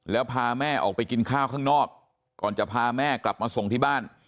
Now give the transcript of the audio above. แล้วพาแม่ออกไปกินข้าวข้างนอกก่อนจะพาแม่กลับมาส่งที่บ้าน